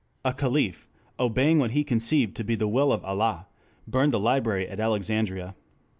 A caliph, obeying what he conceived to be the Will of Allah, burned the library at Alexandria.